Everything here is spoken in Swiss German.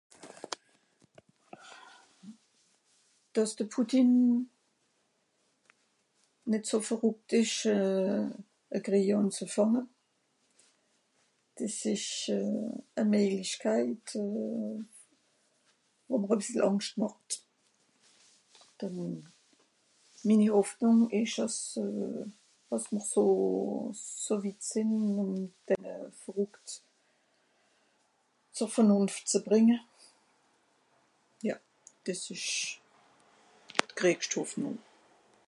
dàs de putin nìt so verrùckt esch euh a kreij ànzufànge des esch euh à meijlischkeit ùnd euh wo mr àls àngst màcht den euh minni hoffnùng esch àss àss mr so sp wit sìn ùm denne verrùuckt zu vernùnft zu brìnge jà des esch d'greigscht hoffnùng